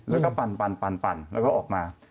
แล้วก็ปั่นแล้วก็ออกมา